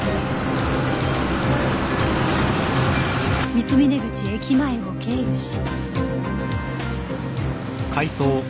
三峰口駅前を経由し